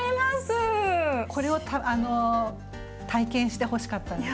これを体験してほしかったんです。